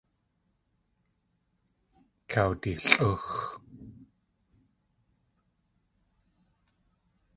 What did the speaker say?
Kawdilʼúx.